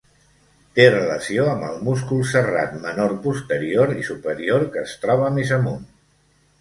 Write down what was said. Té relació amb el múscul serrat menor posterior i superior que es troba més amunt.